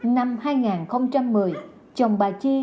năm hai nghìn một mươi chồng bà chi